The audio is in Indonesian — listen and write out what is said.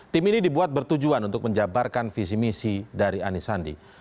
tim ini dibuat bertujuan untuk menjabarkan visi misi dari anisandi